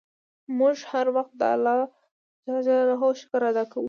موږ هر وخت د اللهﷻ شکر ادا کوو.